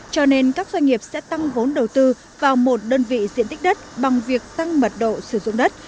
cho nên các doanh nghiệp sẽ tăng vốn đầu tư vào một đơn vị diện tích đất bằng việc tăng mật độ sử dụng đất